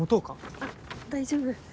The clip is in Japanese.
あっ大丈夫。